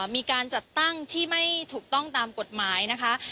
มีการจัดตั้งที่ไม่ถูกต้องตามกฎหมายนะคะ